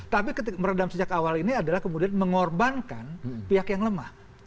tapi meredam sejak awal ini adalah kemudian mengorbankan pihak yang lemah